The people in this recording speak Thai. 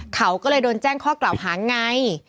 เขาก็เลยโดนแจ้งข้อกล่าวหาไง